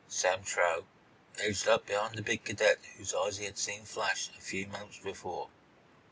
Sam Truax edged up behind the big cadet whose eyes he had seen flash a few moments before.